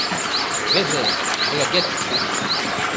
Рвезе — молодец!..